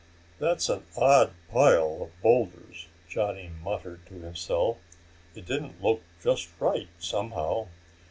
"That's an odd pile of boulders," Johnny muttered to himself. It didn't look just right, somehow.